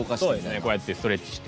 こうやってストレッチして。